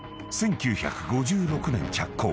［１９５６年着工］